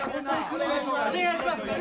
お願いします。